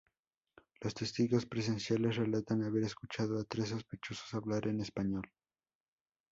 Los testigos presenciales relatan haber escuchado a tres sospechosos hablar en español.